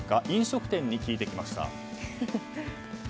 飲食店に聞いてきました。